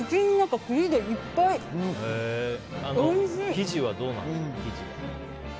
生地はどうなんですか？